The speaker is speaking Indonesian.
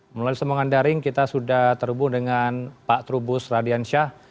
melalui sambungan daring kita sudah terhubung dengan pak trubus radiansyah